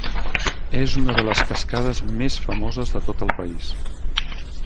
És una de les cascades més famoses de tot el país.